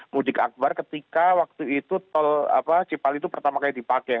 mudik akbar ketika waktu itu tol cipali itu pertama kali dipakai